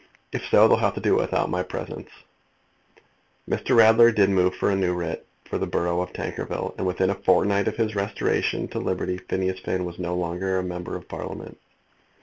"If so, they'll have to do it without my presence." Mr. Ratler did move for a new writ for the borough of Tankerville, and within a fortnight of his restoration to liberty Phineas Finn was no longer a Member of Parliament.